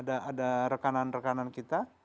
ada rekanan rekanan kita